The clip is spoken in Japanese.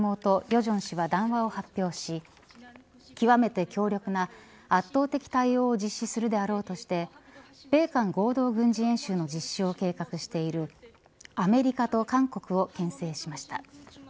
正氏は談話を発表し極めて強力な圧倒的対応を実施するであろうとして米韓合同軍事演習の実施を計画しているアメリカと韓国をけん制しました。